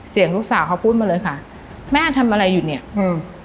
ลูกสาวเขาพูดมาเลยค่ะแม่ทำอะไรอยู่เนี้ยอืม